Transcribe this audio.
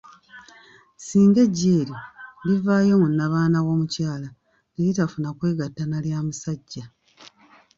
Singa eggi eryo livaayo mu nnabaana w'omukyala ne litafuna kwegatta na lya musajja.